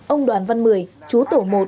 ông đoàn văn mười chú tổ một